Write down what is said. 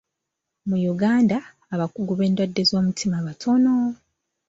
Mu Uganda abakugu b'endwadde z'omutima batono.